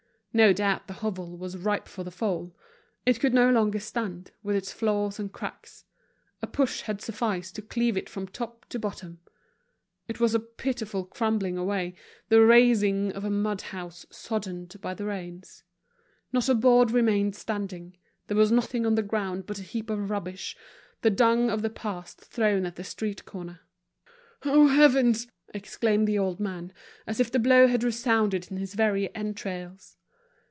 No doubt the hovel was ripe for the fall—it could no longer stand, with its flaws and cracks; a push had sufficed to cleave it from top to bottom. It was a pitiful crumbling away, the razing of a mud house soddened by the rains. Not a board remained standing; there was nothing on the ground but a heap of rubbish, the dung of the past thrown at the street corner. "Oh, heavens!" exclaimed the old man, as if the blow had resounded in his very entrails.